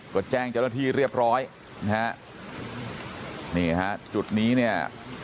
ก็แจ้งเจ้าหน้าที่เรียบร้อยนะฮะนี่ฮะจุดนี้เนี่ย